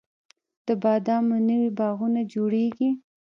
د بادامو نوي باغونه جوړیږي